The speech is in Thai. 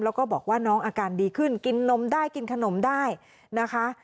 แล้วก็บอกว่าน้องอาการดีขึ้นกินนมได้กินขนมได้นะคะ